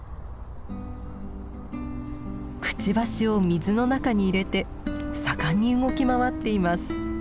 くちばしを水の中に入れて盛んに動き回っています。